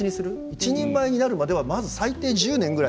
一人前になるまでには最低１０年ぐらい。